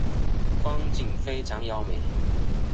风景非常优美。